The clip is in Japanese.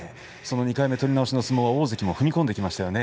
取り直しの相撲大関も踏み込んでいきましたね。